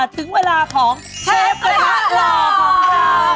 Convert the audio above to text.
ถึงเวลาของเชฟกระทะหล่อของเรา